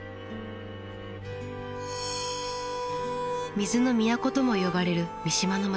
水の都とも呼ばれる三島の町。